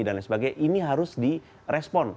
dan lain sebagainya ini harus direspon